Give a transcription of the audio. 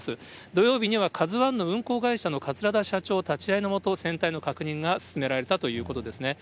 土曜日にはＫＡＺＵＩの運航会社の桂田社長立ち会いの下、船体の確認が進められたということですね。